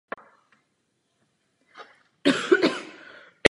V nezávislém Polsku byl dále aktivní Sbor dobrovolných hasičů.